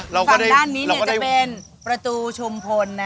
ฝั่งด้านนี้จะเป็นประตูชุมพล